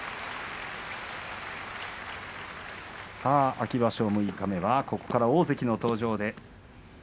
秋場所六日目はここから大関の登場です。